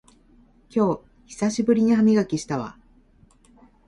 今日久しぶりに歯磨きしたわ